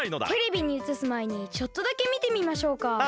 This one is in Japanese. テレビにうつすまえにちょっとだけみてみましょうか。